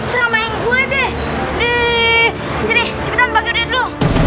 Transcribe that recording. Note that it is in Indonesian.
ramah yang gue deh di sini cepetan bagi dulu